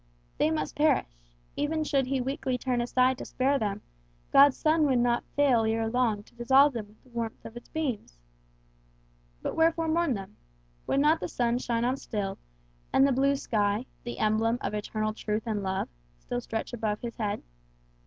They must perish; even should he weakly turn aside to spare them, God's sun would not fail ere long to dissolve them with the warmth of its beams. But wherefore mourn them? Would not the sun shine on still, and the blue sky, the emblem of eternal truth and love, still stretch above his head?